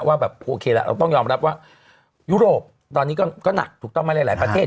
ว่าแบบโอเคละเราต้องยอมรับว่ายุโรปตอนนี้ก็หนักถูกต้องไหมหลายประเทศ